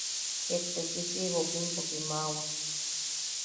Ket te sisiwookimpo kiimawak.